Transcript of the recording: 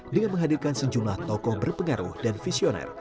dengan menghadirkan sejumlah tokoh berpengaruh dan visioner